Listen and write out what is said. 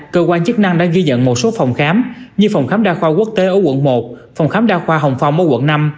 cơ quan chức năng đã ghi nhận một số phòng khám như phòng khám đa khoa quốc tế ở quận một phòng khám đa khoa hồng phong ở quận năm